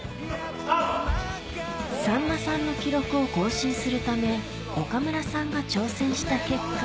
・さんまさんの記録を更新するため岡村さんが挑戦した結果